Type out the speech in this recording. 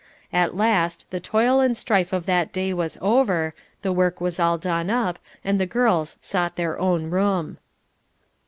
At last the toil and strife of that day was over, the work was all done up and the girls sought their own room.